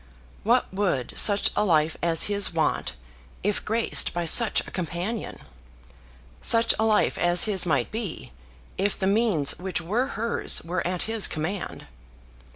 What would such a life as his want, if graced by such a companion, such a life as his might be, if the means which were hers were at his command?